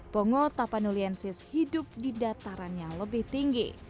pongo tapanuliensis hidup di datarannya lebih tinggi